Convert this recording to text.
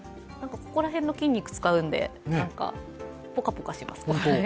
ここら辺の筋肉を使うのでぽかぽかします。